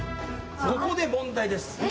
ここで問題です。